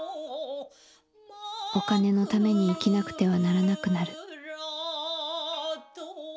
お金のために生きなくてはならなくなる」。